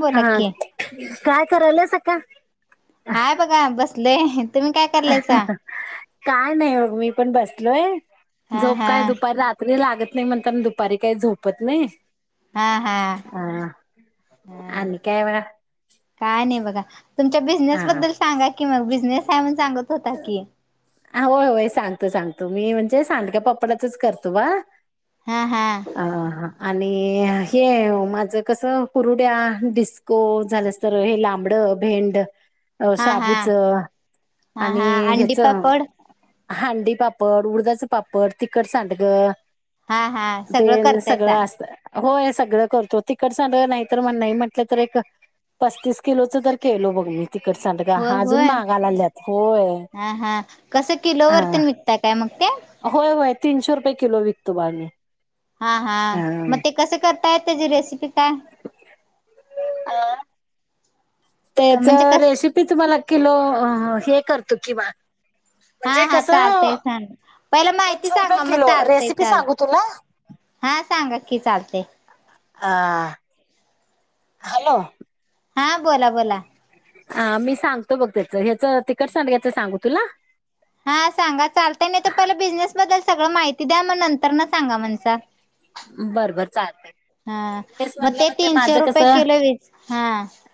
बोला हा की काय कराल सका हाय बघा बसले काय नाही बघ मी पण बसलोय हा झोप हा काय दुपारी रात कु लागत नाही म्हणताना दुपारी काही झोपत नाही हा हा हा हम् आणि काय बा काय नाही बघा तुमच्या बिझनेस हा बद्दल सांगा कि मग बिझनेस आहे म्हण सांगत होता की होय होय सांगतो सांगतो मी म्हणजे सांडक्या पपपाडाचच करतो बा हा हा अ आणि हे माझं कसं कुरुड्या डिस् को झालंस तर हे लांबडं भेंड हा हा साबूच हा हा आणि अंडी ह्याच पापड हांडी पापड उडदाच पापड तखट सांठगं हा हा ते सगळं सगळं करतायसा असत होय सगळं करतो तिकड सड नाही तर मण नाही म्हंटलं तर एक पस्तीस किलोचं तर केलो बघ मी तिकड सां का होय हा अजून होय मागालात हा हा कसं हा किलोवर्तन विकत काय मग ते होय होय तीनशे रुपये किलो विकतो बाणी हा हा मग ते कसे करताय त्याची रेसिपी काय हा त्याच म्हणजे कस रेसिपी तुम्हाला किलो हे करतो किंवा हा म्हणजे हा कसं चालतय ान पहिला माहिती तीनशे रुपये सांगा मग किलो चालतय रेसिपी सांगू चालते तुला हा सांगा की चालते आ हॅलो. हा बोला बोला. ह मी सांगतो बघ त्याच ह्याचं तिकट सांगायचं सांगू तुला हां सांगा चालतय नाही तर पला बिझनेस बद्दल सगळं माहिती द्या मग नं तर म सांगा म्हणसा बरं बर चालतंय हा बिझनेस मग म्हणलं ते म्हणजे तीनशे माझं रुपये कसं किलो वीज हा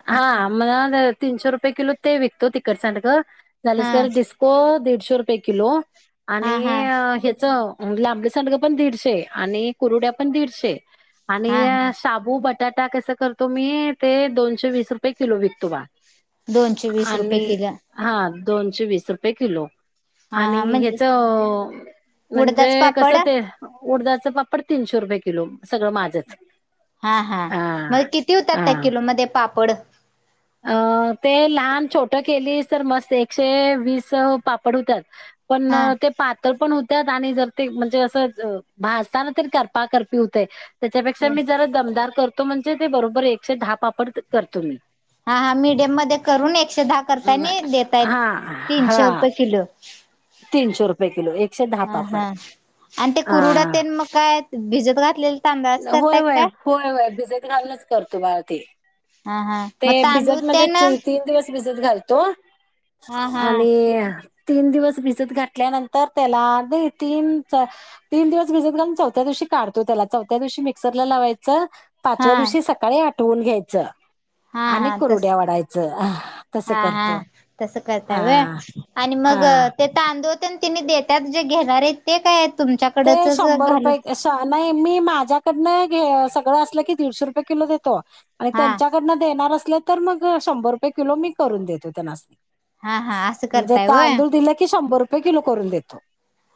हा मला तीनशे रुपये किलो ते विकतो तिखट सांडग हा झालं डिस् पो दडशे रुपये किलो आणि हा हा ह्यच लांबड सांडग पण दडशे आणि कुरुड्या पण दीडशे आणि हा हा श साबू बटाटा कसं करतो मी ते दोनशे वीस रुपये किलो विकतो बा दोनशे वीस रुपये आणि किलो हा दोनशे वीस रुपये किलो हा आणि हा म्हणजे ह्याच म्हणजे उडदाच पापड कसं ते उडदाच पापड तीनशे रुपये किलो सगळं माझंच हा हा मग किती होत्यात हा त्या किलो मध्ये पापड अ ते लहान छोट केलीस तर मस्त एकशे वीस पापड हुत्यात पण हा ते पातळ पण होत्या आणि जर ते म्हणजे असं भाजताना तरी करपा करपी होते. त्याच्यापेक्षा मी हा जरा दमदार करतो म्हणजे ते बरोबर एकशे दहा पापड करतो मी हा हा म मिडियम मध्ये करून एकशे दहा करता अं, आणि देतय हां, तीनशे रुपये किलो तीनशे रुपये किलो एकशे दहा हा पापड हा आणि ते अ कुरुडा तेन मग काय भिजत घातलेले तांदळाच होय करताय होय काय होय होय भिजत घाल्च करतो बार ते हा हा.. ते मग तांदूळ भिजत म्हणजे ते ना ची तीन दिवस भिजत घालतो हा हा आणि तीन दिवस भिजत घातल्यानंतर त्याला दे तीन च तीन दिवस भिजत घालून चौथ्या दिवशी काढतो त्याला चौथ्या दिवशी मिक्सर ला लावायचं हा पाचव्या दिवशी सकाळी आठवून घ्यायचं हा आणि हा तस कुरुड्या वाढायचं तसं हा हा करतो तस करताय हा व्हय आणि मग हा ते तांदूळ तेन तिनी देतात जे घेणार हाईत ते काय ते तुमच्याकडचच शंभर घालून रुपये नाही मी माझ्याकडन घे सगळं असलं की दीडशे रुपये किलो देतो. आणि हा त्यांच्याकडनं देणार असलं तर मग शंभर रुपये किलो मी करून देतो त्यनासनी हा हा असं म्हणजे करताय व्हय तांदूळ दिल की शंभर रुपय किलो करून देतो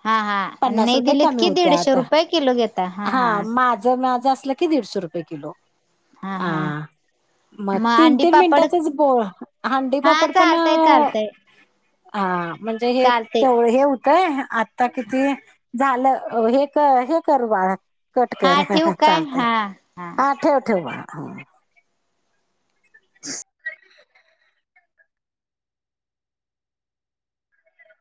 हा हा पन्नास नाही रुपये दिलीत कमी की दीडशे होत्यात रुपये किलो घेत हा हा माझं माझं असल दीडशे रुपये किलो हा हा. मग तीन अंडी तीन पापड मिनिटांचच बो हा हंडीपापड पण चालतय चालतय हा म्हणजे हे चालतय तेव हे हूतय आता किती झालं हे हे करू बाळा हा कटकर ठेवू काय चालतय हा हा ठेव ठेव बा [unintelligible]